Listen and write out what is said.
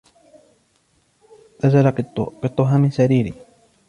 نزل قطها من سريري.